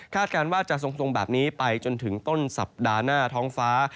การว่าจะทรงแบบนี้ไปจนถึงต้นสัปดาห์หน้าท้องฟ้า